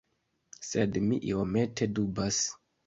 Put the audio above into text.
Sed mi iomete dubas.